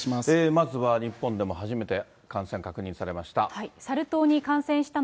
まずは日本でも、初めて感染確認されました。